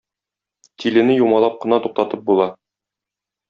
Тилене юмалап кына туктатып була.